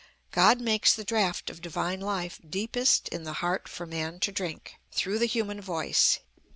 God makes the draught of divine life deepest in the heart for man to drink, through the human voice.